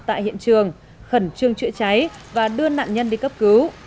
tại hiện trường khẩn trương chữa cháy và đưa nạn nhân đi cấp cứu